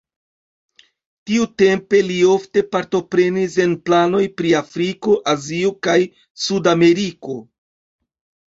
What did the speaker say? Tiutempe li ofte partoprenis en planoj pri Afriko, Azio kaj Sud-Ameriko.